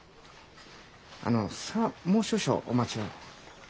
あのそれはもう少々お待ちを。